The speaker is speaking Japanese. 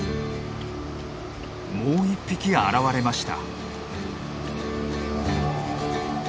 もう１匹現れました。